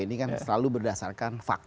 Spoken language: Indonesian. ini kan selalu berdasarkan fakta